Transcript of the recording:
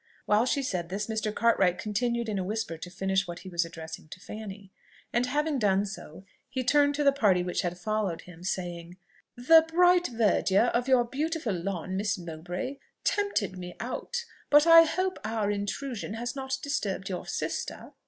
While she said this, Mr. Cartwright continued in a whisper to finish what he was addressing to Fanny; and having done so, he turned to the party which had followed him, saying, "The bright verdure of your beautiful lawn, Miss Mowbray, tempted me out; but I hope our intrusion has not disturbed your sister?"